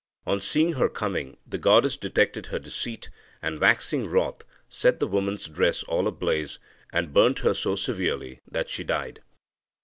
On seeing her coming, the goddess detected her deceit, and, waxing wroth, set the woman's dress all ablaze, and burnt her so severely that she died."